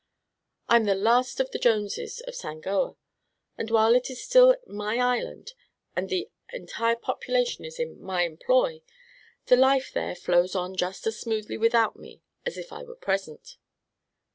I'm the last of the Joneses of Sangoa, and while it is still my island and the entire population is in my employ, the life there flows on just as smoothly without me as if I were present."